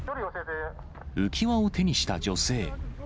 浮き輪を手にした女性。